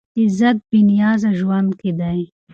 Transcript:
عزت په بې نیازه ژوند کې دی.